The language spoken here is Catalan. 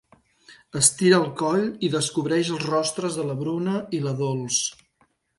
Estira el coll i descobreix els rostres de la Bruna i la Dols.